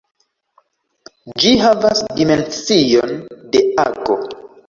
Ĝi havas dimension de ago.